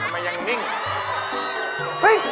ก็อย่างนิ่งอยู่